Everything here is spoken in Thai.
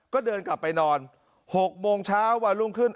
ก็เดินกลับไปนอน๖โมงเช้าวันรุ่งขึ้น